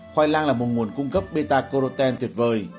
khoai lang là một nguồn cung cấp beta carotene tuyệt vời